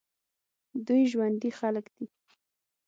دوی ژوندي خلک دي.